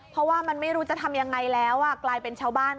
เพราะว่ามันไม่รู้จะทำยังไงแล้วกลายเป็นชาวบ้าน